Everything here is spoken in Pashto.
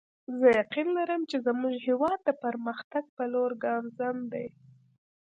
زه یقین لرم چې زموږ هیواد د پرمختګ په لور ګامزن دی